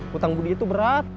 hutang budi itu berat